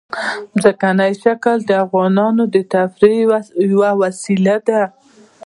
ځمکنی شکل د افغانانو د تفریح یوه وسیله ده.